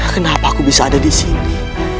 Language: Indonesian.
kenapa aku bisa ada disini